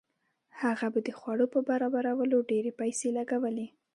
هغه به د خوړو په برابرولو ډېرې پیسې لګولې.